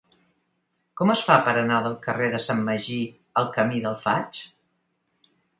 Com es fa per anar del carrer de Sant Magí al camí del Faig?